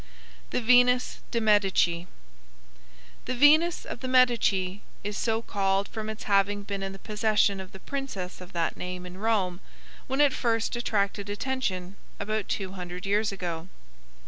THE VENUS DE' MEDICI The Venus of the Medici is so called from its having been in the possession of the princes of that name in Rome when it first attracted attention, about two hundred years ago.